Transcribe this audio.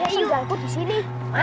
apalah aku disini